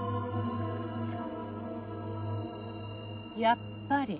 やっぱり。